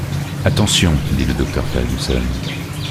Attention! dit le docteur Fergusson.